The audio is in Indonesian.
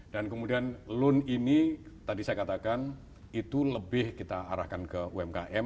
dan kemudian loan ini tadi saya katakan itu lebih kita arahkan ke umkm